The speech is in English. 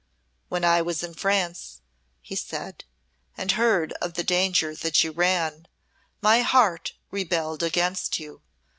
"When I was in France," he said, "and heard of the danger that you ran, my heart rebelled against you.